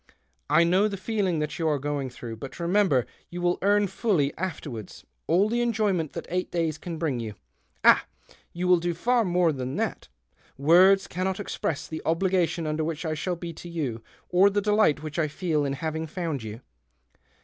I know the feeling that you are going through. But remember you will earn fully, afterwards, all the enjoyment that eight days can bring you. Ah ! you will do iiiT more than that. Words cannot express the obligation under which I shall be to you, or the delight which I feel in having found you."